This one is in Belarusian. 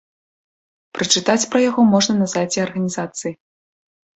Прачытаць пра яго можна на сайце арганізацыі.